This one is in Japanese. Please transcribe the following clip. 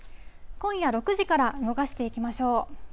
今夜６時から動かしていきましょう。